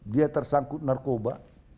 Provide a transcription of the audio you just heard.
dia tersangkut narkoba